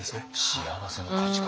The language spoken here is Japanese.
幸せの価値観。